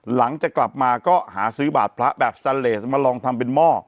หลังจากกลับมาก็หาซื้อบาดพระแบบซาเลสมาลองทำเป็นหม้อ